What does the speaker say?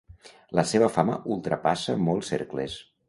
La seva fama ultrapassa molts cercles.